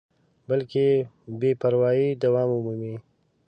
بلکې که بې پروایي دوام ومومي.